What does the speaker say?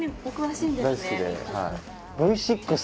大好きで。